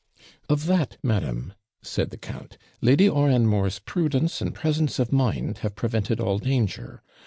'Of that, madam,' said the count, 'Lady Oranmore's prudence and presence of mind have prevented all danger.